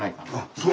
そう。